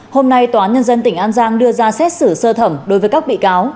hôm nay tòa án nhân dân tỉnh an giang đưa ra xét xử sơ thẩm đối với các bị cáo